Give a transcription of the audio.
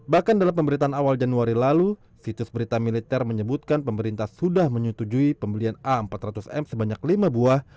bahkan dalam pemberitaan awal januari lalu situs berita militer menyebutkan pemerintah sudah menyetujui pembelian a empat ratus m sebanyak lima buah